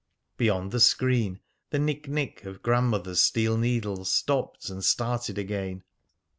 Beyond the screen the nick nick of grandmother's steel needles stopped and started again.